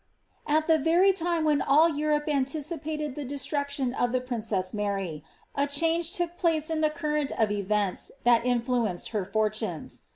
At the very time when all Europe anticipated the destruction of the princess Mar}*, a change took place in the current of events that influ enced her fortunes.